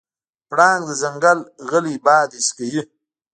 پړانګ د ځنګل غلی باد حس کوي.